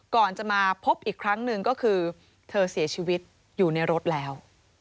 ก่อนจะมาพบอีกครั้งหนึ่งก็คือเธอเสียชีวิตอยู่ในรถแล้ว